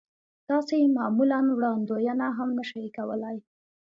تاسې يې معمولاً وړاندوينه هم نه شئ کولای.